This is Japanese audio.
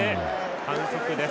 反則です。